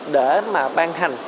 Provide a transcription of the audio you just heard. để mà ban hệ